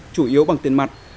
chủ yếu bằng tiền mặt